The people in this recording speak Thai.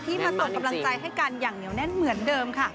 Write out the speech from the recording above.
มาส่งกำลังใจให้กันอย่างเหนียวแน่นเหมือนเดิมค่ะ